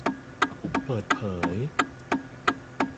เปิดเผย